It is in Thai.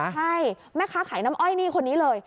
ใช่แม่ค้าขายน้ำอ้อยนี่คนนี้เลย